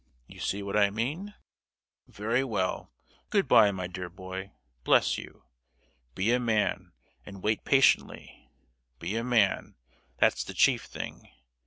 You see what I mean? Very well—good bye, my dear boy, bless you! Be a man, and wait patiently—be a man, that's the chief thing!